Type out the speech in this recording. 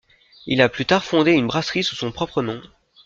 Il a plus tard fondé une brasserie sous son propre nom.